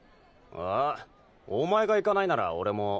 えお前が行かないなら俺も。